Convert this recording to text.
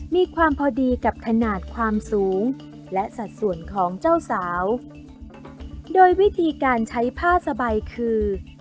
มีความพอดีกับขนาดความสูงและสัดส่วนของเจ้าสาวโดยวิธีการใช้ผ้าสบายคือ